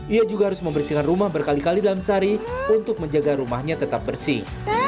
ia juga harus membersihkan rumah berkali kali dalam sehari untuk menjaga rumahnya tetap bersih